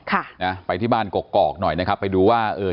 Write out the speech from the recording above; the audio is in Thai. ค่ะนะไปที่บ้านกอกกอกหน่อยนะครับไปดูว่าเออ